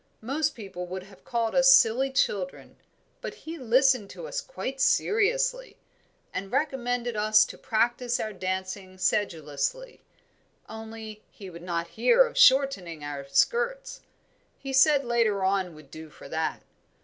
Most people would have called us silly children, but he listened to us quite seriously, and recommended us to practise our dancing sedulously; only he would not hear of shortening our skirts he said later on would do for that.